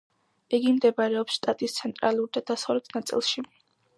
იგი მდებარეობს შტატის ცენტრალურ და დასავლეთ ნაწილში.